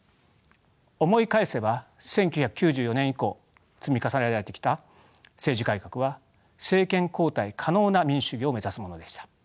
思い返せば１９９４年以降積み重ねられてきた政治改革は政権交代可能な民主主義を目指すものでした。